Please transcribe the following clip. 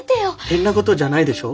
変なことじゃないでしょ？